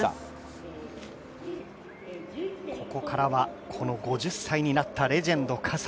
ここからはこの５０歳になったレジェンド葛西。